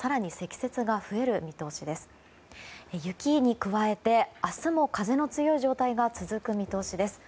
雪に加えて、明日も風の強い状態が続く見通しです。